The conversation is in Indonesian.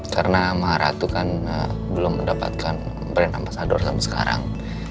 karena maharatu kan belum mendapatkan brand ambassador sampe sekarang